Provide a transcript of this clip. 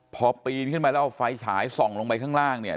พอปีนขึ้นไปแล้วเอาไฟฉายส่องลงไปข้างล่างเนี่ย